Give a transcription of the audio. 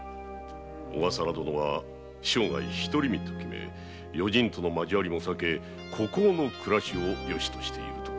小笠原殿は生涯独り身と決め人との交わりも避け孤高の暮らしをよしとしているとか。